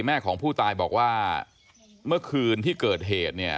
แม่ของผู้ตายบอกว่าเมื่อคืนที่เกิดเหตุเนี่ย